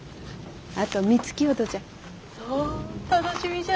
あとみつきほどじゃ。